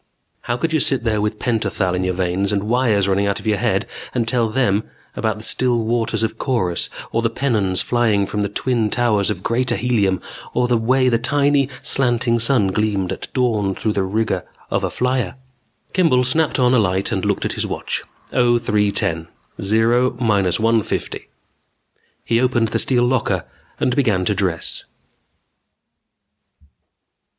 How could you sit there with pentothal in your veins and wires running out of your head and tell them about the still waters of Korus, or the pennons flying from the twin towers of Greater Helium or the way the tiny, slanting sun gleamed at dawn through the rigging of a flyer? Kimball snapped on a light and looked at his watch. 0310. Zero minus one fifty. He opened the steel locker and began to dress.